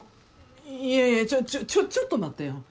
いやいやちょちょっと待ってよ。